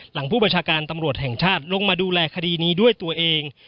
ผู้ประชาการตำรวจแห่งชาติลงมาดูแลคดีนี้ด้วยตัวเอง